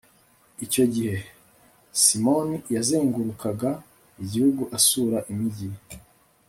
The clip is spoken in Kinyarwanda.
icyo gihe, simoni yazengurukaga igihugu asura imigi